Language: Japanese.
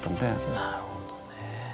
なるほどね。